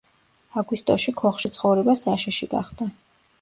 აგვისტოში ქოხში ცხოვრება საშიში გახდა.